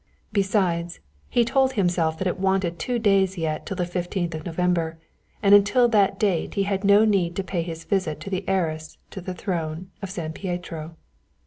Besides, he told himself that it wanted two days yet till the 15th of November, and until that date he had no need to pay his visit to the heiress to the throne of San Pietro.